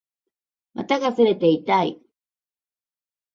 股が擦れて痛い